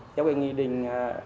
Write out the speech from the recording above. theo nghị định sáu ba